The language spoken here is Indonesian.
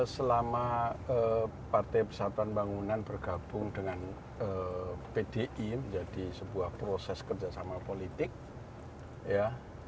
selama partai persatuan bangunan bergabung dengan pdi menjadi sebuah proses kerjasama politik ya